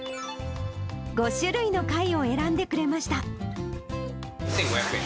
５種類の貝を選んでくれまし２５００円。